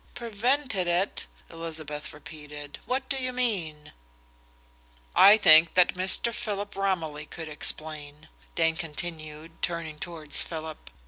"Prevented it?" Elizabeth repeated. "What do you mean?" "I think that Mr. Philip Romilly could explain," Dane continued, turning towards Philip.